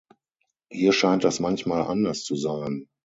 Hier scheint das manchmal anders zu sein.